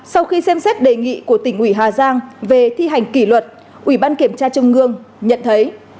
sau khi xem xét đề nghị của tỉnh ủy hà giang về thi hành kỷ luật ủy ban kiểm tra trung ương nhận thấy